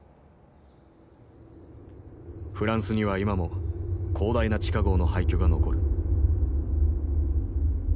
フランスには今も広大な地下壕の廃虚が残る。